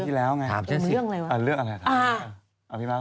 ตั้งแต่ครั้งที่แล้วไงเรื่องอะไรวะ